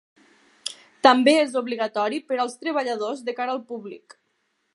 També és obligatori per als treballadors de cara al públic.